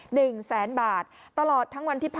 กลุ่มตัวเชียงใหม่